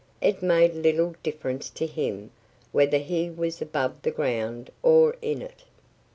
It made little difference to him whether he was above the ground or in it.